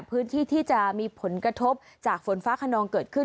พื้นที่ที่จะมีผลกระทบจากฝนฟ้าขนองเกิดขึ้น